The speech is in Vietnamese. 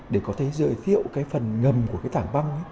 để có thể giới thiệu cái phần ngầm của cái thảm văng